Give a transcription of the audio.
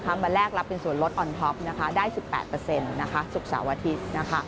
มาแลกรับเป็นส่วนลดออนท็อปได้๑๘ศุกร์เสาร์อาทิตย์นะคะ